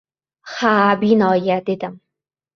— Ha-a, binoyi, — dedim.